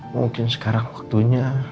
mungkin sekarang waktunya